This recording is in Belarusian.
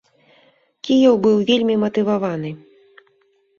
Кіеў быў вельмі матываваны.